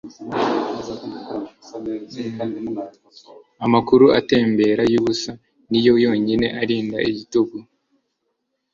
amakuru atembera yubusa niyo yonyine arinda igitugu